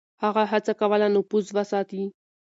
هغه هڅه کوله نفوذ وساتي.